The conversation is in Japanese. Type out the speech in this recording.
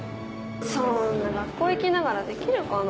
そんな学校行きながらできるかな？